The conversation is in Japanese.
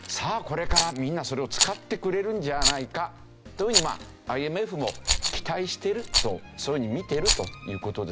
これからみんなそれを使ってくれるんじゃないかというふうにまあＩＭＦも期待してるとそういうふうに見てるという事ですよね。